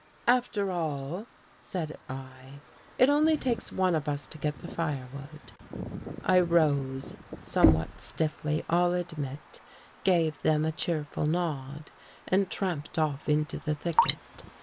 " After all," said I, " it only takes one of us to get the firewood." I rose somewhat stiffly. I'll admit, gave them a cheerful nod and tramped off into the thicket.